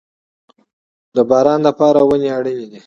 د باران لپاره ونې اړین دي